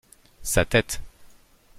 Sa tête.